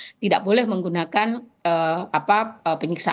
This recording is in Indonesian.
seperti yang tadi juga sudah di highlight oleh prof ibnu gitu ya